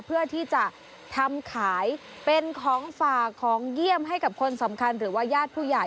เพื่อที่จะทำขายเป็นของฝากของเยี่ยมให้กับคนสำคัญหรือว่าญาติผู้ใหญ่